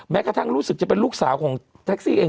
กระทั่งรู้สึกจะเป็นลูกสาวของแท็กซี่เอง